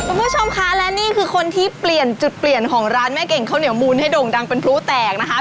คุณผู้ชมคะและนี่คือคนที่เปลี่ยนจุดเปลี่ยนของร้านแม่เก่งข้าวเหนียวมูลให้โด่งดังเป็นพลุแตกนะคะ